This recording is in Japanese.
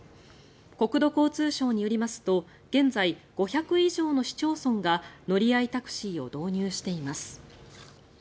国土交通省によりますと現在、５００以上の市町村が乗合タクシーを導入しています。